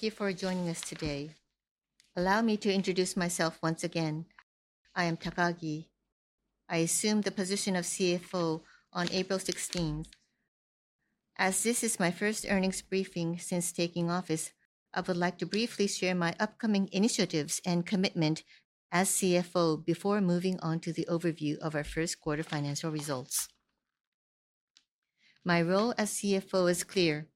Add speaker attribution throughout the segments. Speaker 1: Thank you for joining us today. Allow me to introduce myself once again. I am Takagi. I assumed the position of CFO on April 16th. As this is my first earnings briefing since taking office, I would like to briefly share my upcoming initiatives and commitment as CFO before moving on to the overview of our first quarter financial results. My role as CFO is clear: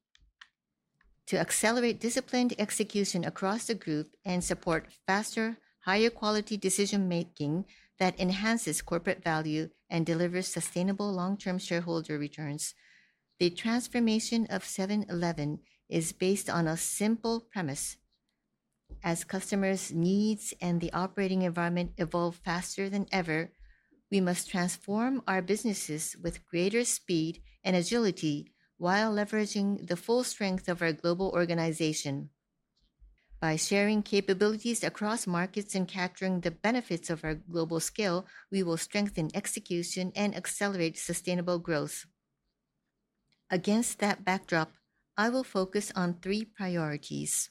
Speaker 1: to accelerate disciplined execution across the group and support faster, higher quality decision-making that enhances corporate value and delivers sustainable long-term shareholder returns. The transformation of 7-Eleven is based on a simple premise. As customers' needs and the operating environment evolve faster than ever, we must transform our businesses with greater speed and agility while leveraging the full strength of our global organization. By sharing capabilities across markets and capturing the benefits of our global scale, we will strengthen execution and accelerate sustainable growth. Against that backdrop, I will focus on three priorities.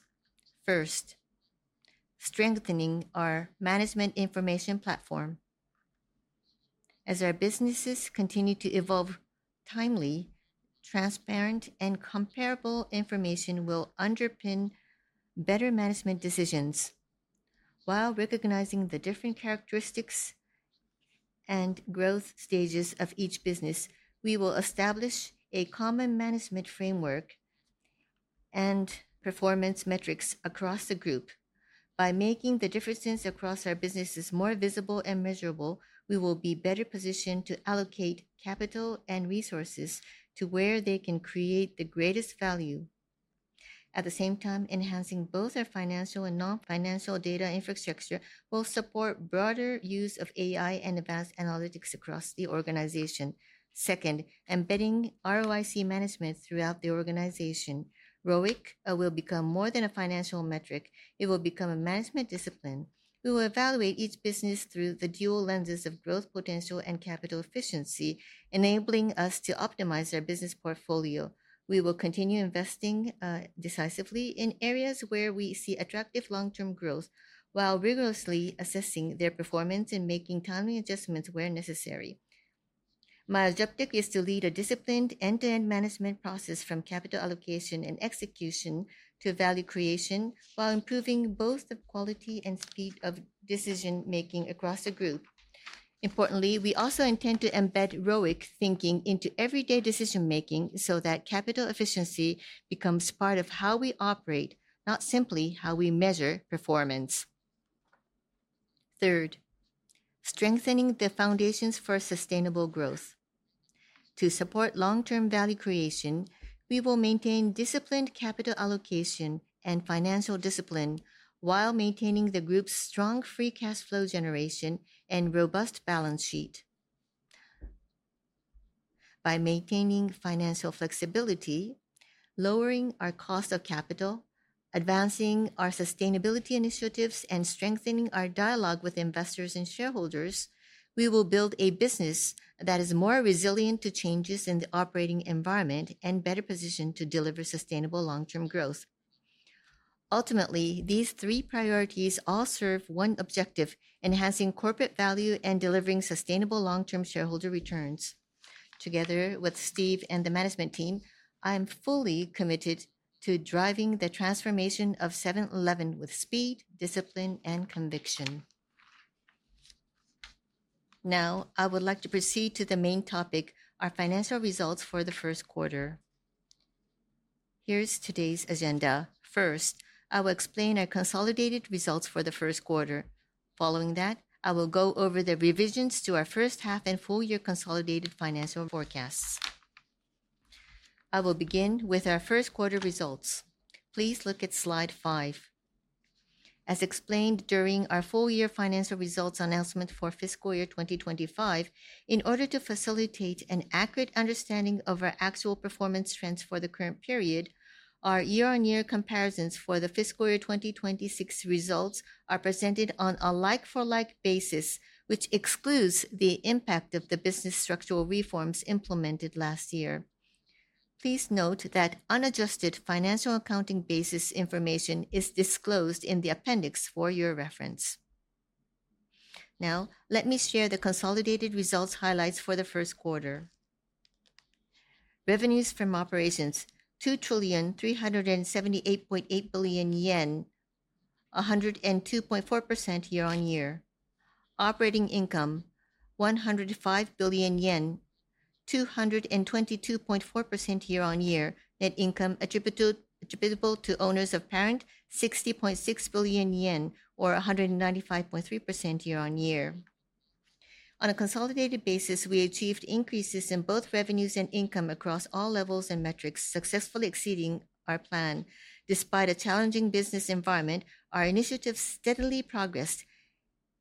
Speaker 1: First, strengthening our management information platform. As our businesses continue to evolve, timely, transparent, and comparable information will underpin better management decisions. While recognizing the different characteristics and growth stages of each business, we will establish a common management framework and performance metrics across the group. By making the differences across our businesses more visible and measurable, we will be better positioned to allocate capital and resources to where they can create the greatest value. At the same time, enhancing both our financial and non-financial data infrastructure will support broader use of AI and advanced analytics across the organization. Second, embedding ROIC management throughout the organization. ROIC will become more than a financial metric. It will become a management discipline. We will evaluate each business through the dual lenses of growth potential and capital efficiency, enabling us to optimize our business portfolio. We will continue investing decisively in areas where we see attractive long-term growth, while rigorously assessing their performance and making timely adjustments where necessary. My objective is to lead a disciplined end-to-end management process from capital allocation and execution to value creation, while improving both the quality and speed of decision making across the group. Importantly, we also intend to embed ROIC thinking into everyday decision making so that capital efficiency becomes part of how we operate, not simply how we measure performance. Third, strengthening the foundations for sustainable growth. To support long-term value creation, we will maintain disciplined capital allocation and financial discipline while maintaining the group's strong free cash flow generation and robust balance sheet. By maintaining financial flexibility, lowering our cost of capital, advancing our sustainability initiatives, and strengthening our dialogue with investors and shareholders, we will build a business that is more resilient to changes in the operating environment and better positioned to deliver sustainable long-term growth. Ultimately, these three priorities all serve one objective: enhancing corporate value and delivering sustainable long-term shareholder returns. Together with Steve and the management team, I am fully committed to driving the transformation of 7-Eleven with speed, discipline, and conviction. Now, I would like to proceed to the main topic, our financial results for the first quarter. Here's today's agenda. First, I will explain our consolidated results for the first quarter. Following that, I will go over the revisions to our first half and full year consolidated financial forecasts. I will begin with our first quarter results. Please look at slide five. As explained during our full year financial results announcement for fiscal year 2025, in order to facilitate an accurate understanding of our actual performance trends for the current period, our year-on-year comparisons for the fiscal year 2026 results are presented on a like-for-like basis, which excludes the impact of the business structural reforms implemented last year. Please note that unadjusted financial accounting basis information is disclosed in the appendix for your reference. Let me share the consolidated results highlights for the first quarter. Revenues from operations, 2,378.8 billion yen, 102.4% year-on-year. Operating income, 105 billion yen, 222.4% year-on-year. Net income attributable to owners of parent, 60.6 billion yen, or 195.3% year-on-year. On a consolidated basis, we achieved increases in both revenues and income across all levels and metrics, successfully exceeding our plan. Despite a challenging business environment, our initiatives steadily progressed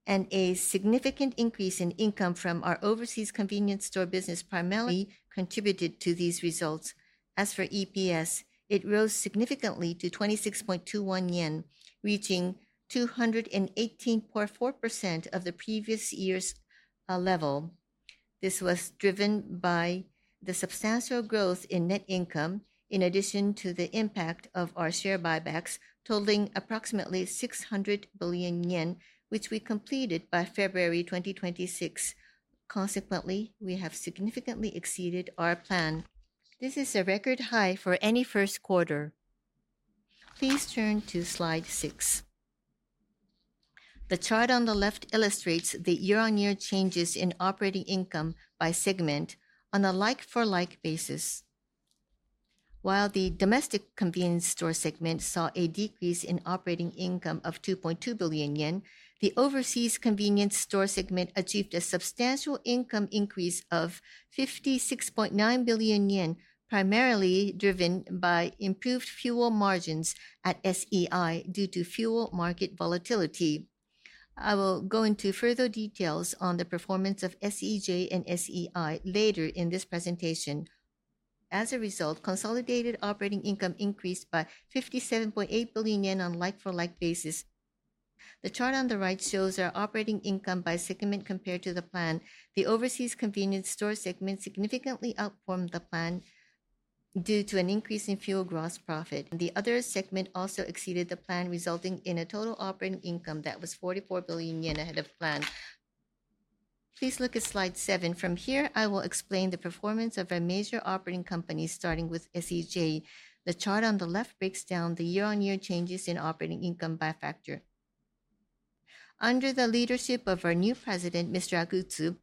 Speaker 1: and a significant increase in income from our overseas convenience store business primarily contributed to these results. As for EPS, it rose significantly to 26.21 yen, reaching 218.4% of the previous year's level. This was driven by the substantial growth in net income, in addition to the impact of our share buybacks totaling approximately 600 billion yen, which we completed by February 2026. Consequently, we have significantly exceeded our plan. This is a record high for any first quarter. Please turn to slide six. The chart on the left illustrates the year-on-year changes in operating income by segment on a like-for-like basis. While the domestic convenience store segment saw a decrease in operating income of 2.2 billion yen, the overseas convenience store segment achieved a substantial income increase of 56.9 billion yen, primarily driven by improved fuel margins at SEI due to fuel market volatility. I will go into further details on the performance of SEJ and SEI later in this presentation. As a result, consolidated operating income increased by 57.8 billion yen on a like-for-like basis. The chart on the right shows our operating income by segment compared to the plan. The overseas convenience store segment significantly outperformed the plan due to an increase in fuel gross profit. The other segment also exceeded the plan, resulting in a total operating income that was 44 billion yen ahead of plan. Please look at slide seven. From here, I will explain the performance of our major operating companies, starting with SEJ. The chart on the left breaks down the year-on-year changes in operating income by factor. Under the leadership of our new president, Mr. Agutsu,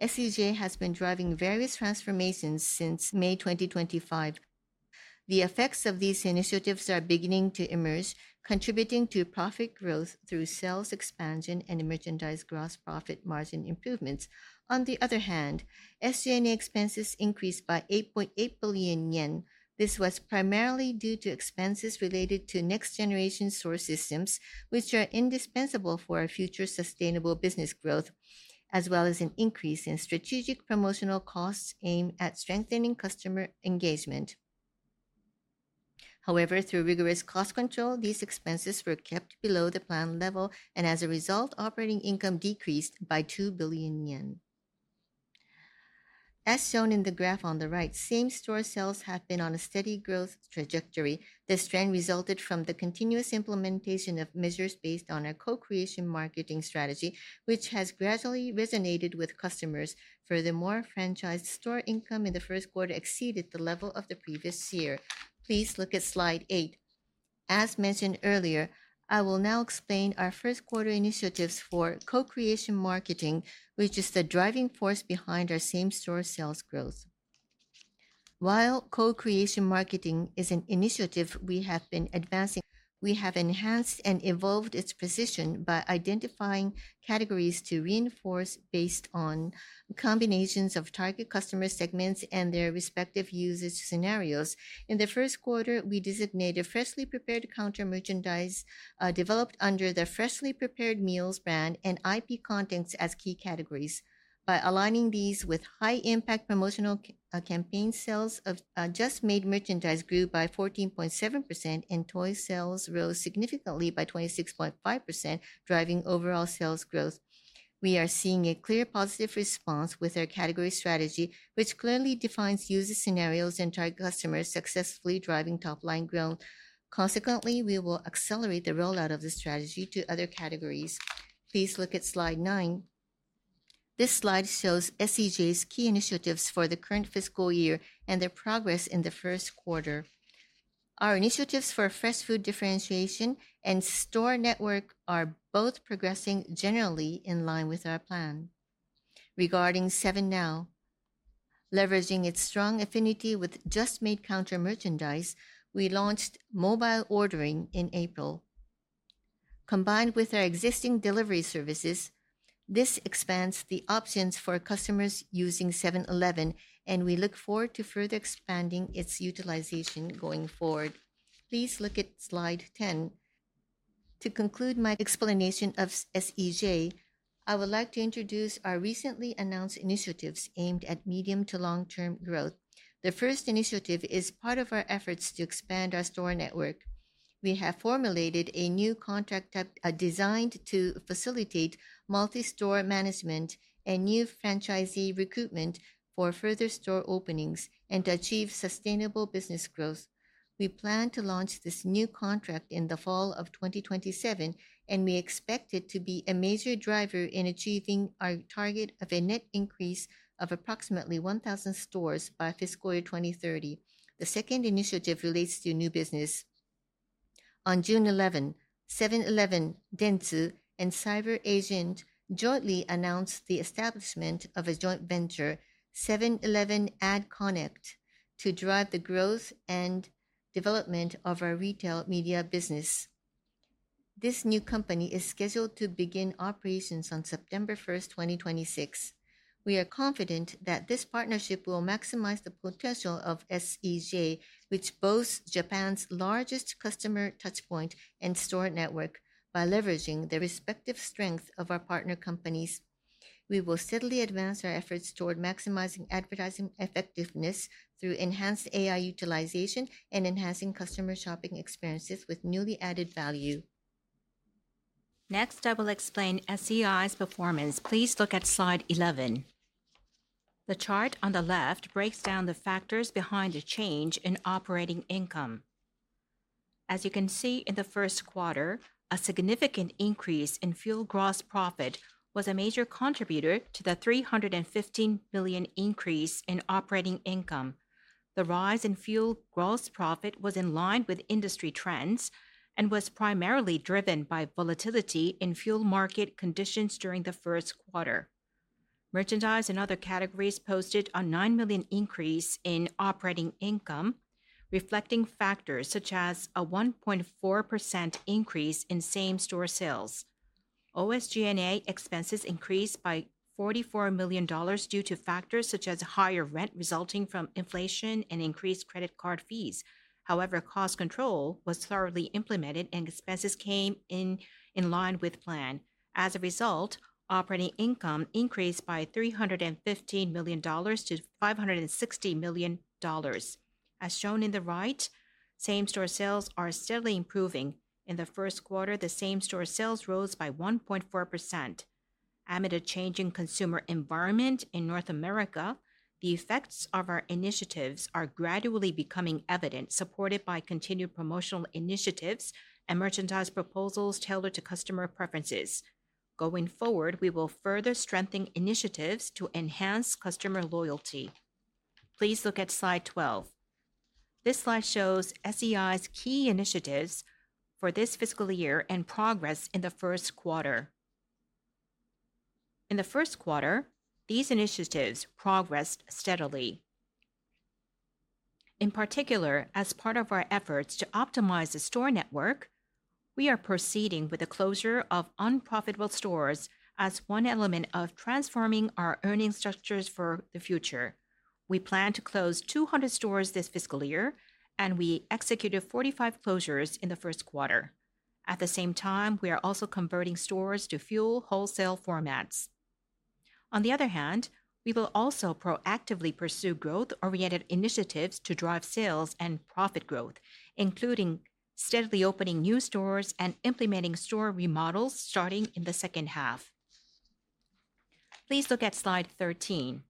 Speaker 1: SEJ has been driving various transformations since May 2025. The effects of these initiatives are beginning to emerge, contributing to profit growth through sales expansion and merchandise gross profit margin improvements. On the other hand, SG&A expenses increased by 8.8 billion yen. This was primarily due to expenses related to next-generation store systems, which are indispensable for our future sustainable business growth, as well as an increase in strategic promotional costs aimed at strengthening customer engagement. However, through rigorous cost control, these expenses were kept below the planned level, and as a result, operating income decreased by 2 billion yen. As shown in the graph on the right, same-store sales have been on a steady growth trajectory. This trend resulted from the continuous implementation of measures based on our co-creation marketing strategy, which has gradually resonated with customers. Furthermore, franchised store income in the first quarter exceeded the level of the previous year. Please look at slide eight. As mentioned earlier, I will now explain our first quarter initiatives for co-creation marketing, which is the driving force behind our same-store sales growth. While co-creation marketing is an initiative we have been advancing, we have enhanced and evolved its precision by identifying categories to reinforce based on combinations of target customer segments and their respective usage scenarios. In the first quarter, we designated freshly prepared counter merchandise developed under the Freshly Prepared Meals brand and IP contents as key categories. By aligning these with high-impact promotional campaign sales of just-made merchandise grew by 14.7%, and toy sales rose significantly by 26.5%, driving overall sales growth. We are seeing a clear positive response with our category strategy, which clearly defines user scenarios and target customers successfully driving top-line growth. Consequently, we will accelerate the rollout of this strategy to other categories. Please look at slide nine. This slide shows SEJ's key initiatives for the current fiscal year and their progress in the first quarter. Our initiatives for fresh food differentiation and store network are both progressing generally in line with our plan. Regarding 7NOW, leveraging its strong affinity with just-made counter merchandise, we launched mobile ordering in April. Combined with our existing delivery services, this expands the options for customers using 7-Eleven, and we look forward to further expanding its utilization going forward. Please look at slide 10. To conclude my explanation of SEJ, I would like to introduce our recently announced initiatives aimed at medium to long-term growth. The first initiative is part of our efforts to expand our store network. We have formulated a new contract designed to facilitate multi-store management and new franchisee recruitment for further store openings and achieve sustainable business growth. We plan to launch this new contract in the fall of 2027, and we expect it to be a major driver in achieving our target of a net increase of approximately 1,000 stores by fiscal year 2030. The second initiative relates to new business. On June 11, 7-Eleven, Dentsu, and CyberAgent jointly announced the establishment of a joint venture, 7-Eleven Ad Connect, to drive the growth and development of our retail media business. This new company is scheduled to begin operations on September 1st, 2026. We are confident that this partnership will maximize the potential of SEJ, which boasts Japan's largest customer touchpoint and store network. By leveraging the respective strengths of our partner companies, we will steadily advance our efforts toward maximizing advertising effectiveness through enhanced AI utilization and enhancing customer shopping experiences with newly added value. Next, I will explain SEI's performance. Please look at slide 11. The chart on the left breaks down the factors behind the change in operating income. As you can see in the first quarter, a significant increase in fuel gross profit was a major contributor to the 315 million increase in operating income. The rise in fuel gross profit was in line with industry trends and was primarily driven by volatility in fuel market conditions during the first quarter. Merchandise and other categories posted a 9 million increase in operating income, reflecting factors such as a 1.4% increase in same-store sales. OSG&A expenses increased by $44 million due to factors such as higher rent resulting from inflation and increased credit card fees. However, cost control was thoroughly implemented and expenses came in in line with plan. As a result, operating income increased by JPY 315 million to JPY 560 million. As shown in the right, same-store sales are steadily improving. In the first quarter, the same-store sales rose by 1.4%. Amid a change in consumer environment in North America, the effects of our initiatives are gradually becoming evident, supported by continued promotional initiatives and merchandise proposals tailored to customer preferences. Going forward, we will further strengthen initiatives to enhance customer loyalty. Please look at slide 12. This slide shows SEI's key initiatives for this fiscal year and progress in the first quarter. In the first quarter, these initiatives progressed steadily. In particular, as part of our efforts to optimize the store network, we are proceeding with the closure of unprofitable stores as one element of transforming our earnings structures for the future. We plan to close 200 stores this fiscal year, and we executed 45 closures in the first quarter. At the same time, we are also converting stores to fuel wholesale formats. On the other hand, we will also proactively pursue growth-oriented initiatives to drive sales and profit growth, including steadily opening new stores and implementing store remodels starting in the second half. Please look at slide 13.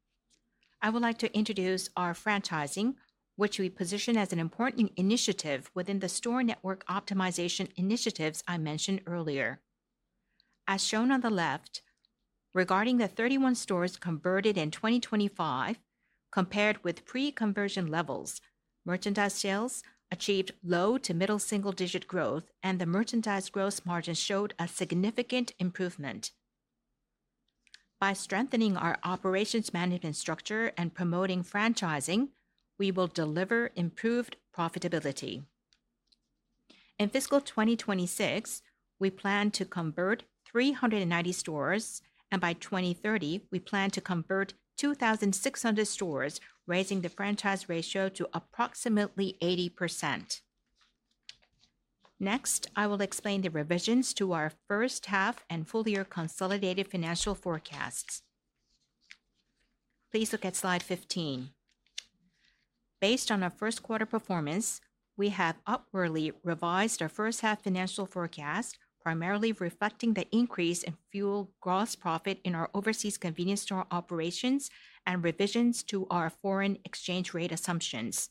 Speaker 1: I would like to introduce our franchising, which we position as an important initiative within the store network optimization initiatives I mentioned earlier. As shown on the left, regarding the 31 stores converted in 2025, compared with pre-conversion levels, merchandise sales achieved low to middle single-digit growth, and the merchandise gross margin showed a significant improvement. By strengthening our operations management structure and promoting franchising, we will deliver improved profitability. In fiscal 2026, we plan to convert 390 stores, and by 2030, we plan to convert 2,600 stores, raising the franchise ratio to approximately 80%. Next, I will explain the revisions to our first half and full year consolidated financial forecasts. Please look at slide 15. Based on our first quarter performance, we have upwardly revised our first half financial forecast, primarily reflecting the increase in fuel gross profit in our overseas convenience store operations and revisions to our foreign exchange rate assumptions.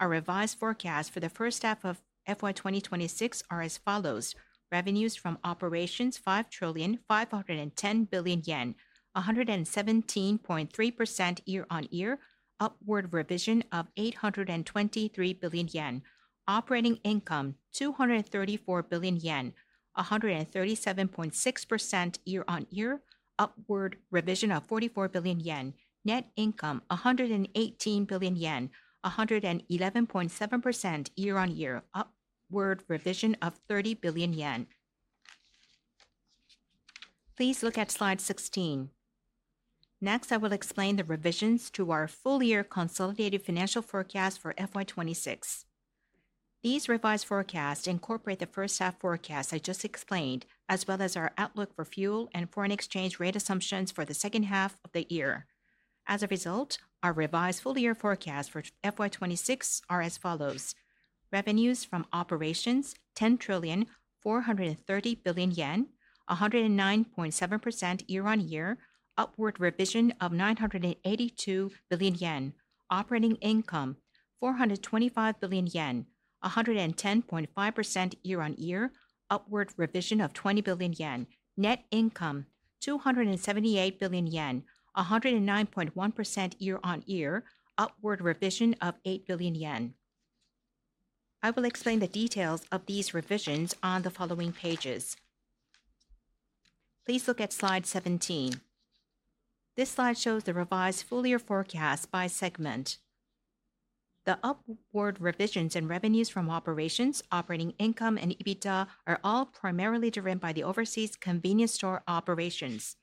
Speaker 1: Our revised forecast for the first half of FY 2026 are as follows: revenues from operations, 5,510 billion yen, 117.3% year-over-year, upward revision of 823 billion yen. Operating income 234 billion yen, 137.6% year-over-year, upward revision of 44 billion yen. Net income 118 billion yen, 111.7% year-over-year, upward revision of 30 billion yen. Please look at slide 16. Next, I will explain the revisions to our full-year consolidated financial forecast for FY 2026. These revised forecasts incorporate the first half forecast I just explained, as well as our outlook for fuel and foreign exchange rate assumptions for the second half of the year. As a result, our revised full-year forecast for FY 2026 are as follows: revenues from operations, 10 trillion 430 billion, 109.7% year-over-year, upward revision of 982 billion yen. Operating income 425 billion yen, 110.5% year-over-year, upward revision of 20 billion yen. Net income 278 billion yen, 109.1% year-over-year, upward revision of 8 billion yen. I will explain the details of these revisions on the following pages. Please look at slide 17. This slide shows the revised full-year forecast by segment. The upward revisions in revenues from operations, operating income, and EBITDA are all primarily driven by the overseas convenience store operations.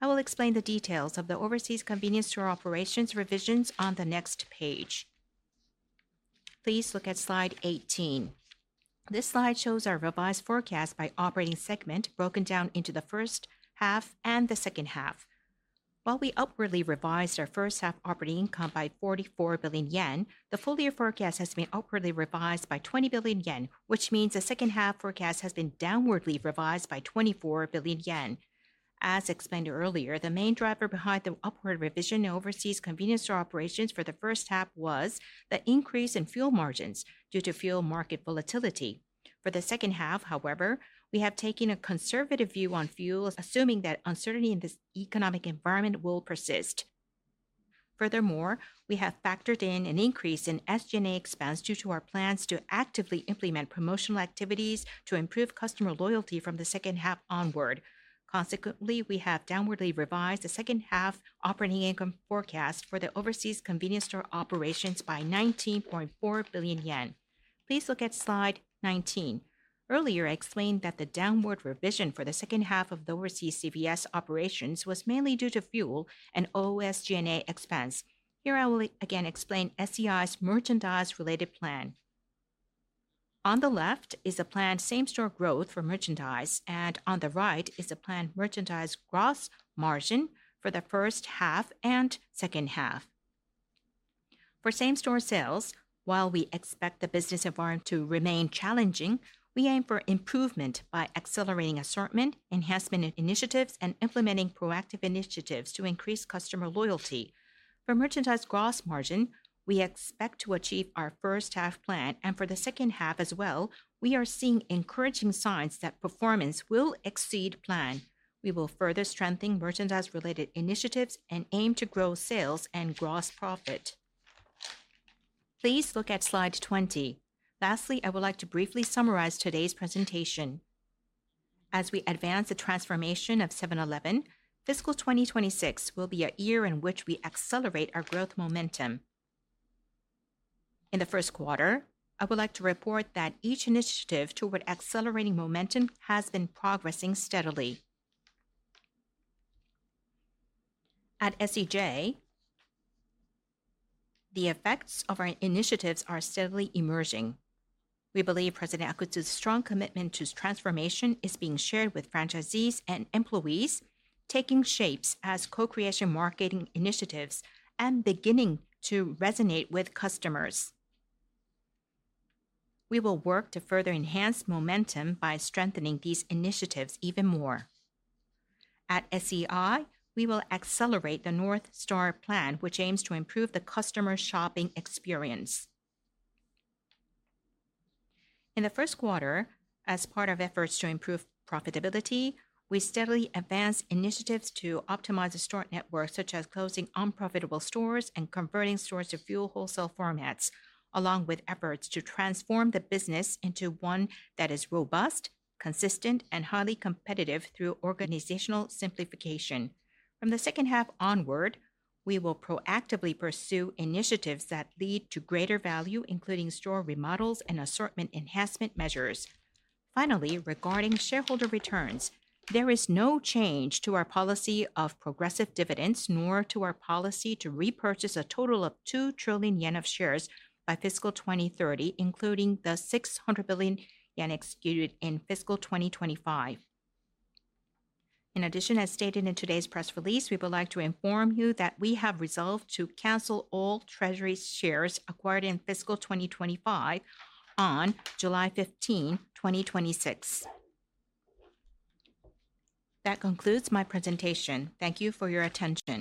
Speaker 1: I will explain the details of the overseas convenience store operations revisions on the next page. Please look at slide 18. This slide shows our revised forecast by operating segment broken down into the first half and the second half. While we upwardly revised our first-half operating income by 44 billion yen, the full-year forecast has been upwardly revised by 20 billion yen, which means the second-half forecast has been downwardly revised by 24 billion yen. As explained earlier, the main driver behind the upward revision overseas convenience store operations for the first half was the increase in fuel margins due to fuel market volatility. For the second half, however, we have taken a conservative view on fuel, assuming that uncertainty in this economic environment will persist. Furthermore, we have factored in an increase in SG&A expense due to our plans to actively implement promotional activities to improve customer loyalty from the second half onward. Consequently, we have downwardly revised the second-half operating income forecast for the overseas convenience store operations by 19.4 billion yen. Please look at slide 19. Earlier, I explained that the downward revision for the second half of the overseas CVS operations was mainly due to fuel and OSG&A expense. Here I will again explain SEI's merchandise-related plan. On the left is the planned same-store growth for merchandise, and on the right is the planned merchandise gross margin for the first half and second half. For same-store sales, while we expect the business environment to remain challenging, we aim for improvement by accelerating assortment enhancement initiatives and implementing proactive initiatives to increase customer loyalty. For merchandise gross margin, we expect to achieve our first-half plan, and for the second half as well, we are seeing encouraging signs that performance will exceed plan. We will further strengthen merchandise-related initiatives and aim to grow sales and gross profit. Please look at slide 20. Lastly, I would like to briefly summarize today's presentation. As we advance the transformation of 7-Eleven, fiscal 2026 will be a year in which we accelerate our growth momentum. In the first quarter, I would like to report that each initiative toward accelerating momentum has been progressing steadily. At SEJ, the effects of our initiatives are steadily emerging. We believe President Akutsu's strong commitment to transformation is being shared with franchisees and employees, taking shapes as co-creation marketing initiatives and beginning to resonate with customers. We will work to further enhance momentum by strengthening these initiatives even more. At SEI, we will accelerate the North Star plan, which aims to improve the customer shopping experience. In the first quarter, as part of efforts to improve profitability, we steadily advance initiatives to optimize the store network, such as closing unprofitable stores and converting stores to fuel wholesale formats, along with efforts to transform the business into one that is robust, consistent, and highly competitive through organizational simplification. From the second half onward, we will proactively pursue initiatives that lead to greater value, including store remodels and assortment enhancement measures. Finally, regarding shareholder returns, there is no change to our policy of progressive dividends nor to our policy to repurchase a total of 2 trillion yen of shares by fiscal 2030, including the 600 billion yen executed in fiscal 2025. As stated in today's press release, we would like to inform you that we have resolved to cancel all Treasury shares acquired in fiscal 2025 on July 15, 2026. That concludes my presentation. Thank you for your attention.